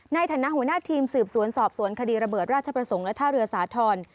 ในฐานะหัวหน้าทีมสืบสวนสอบสวนคดีระเบิดราชประสงค์และท่าเรือสาธรณ์